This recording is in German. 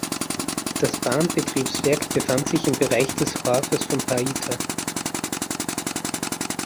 Das Bahnbetriebswerk befand sich im Bereich des Hafens von Paita.